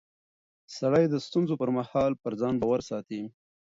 سړی د ستونزو پر مهال پر ځان باور ساتي